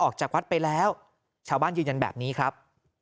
ออกจากวัดไปแล้วชาวบ้านยืนยันแบบนี้ครับ